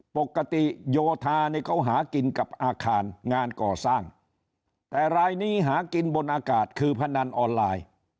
ปกติโยธาเนี่ยเขาหากินกับอาคารงานก่อสร้างแต่รายนี้หากินบนอากาศคือพนันออนไลน์